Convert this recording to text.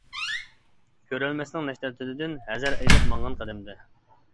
كۆرەلمەسنىڭ نەشتەر تىلىدىن، ھەزەر ئەيلەپ ماڭغان قەدەمدە.